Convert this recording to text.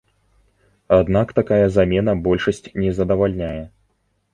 Аднак такая замена большасць не задавальняе.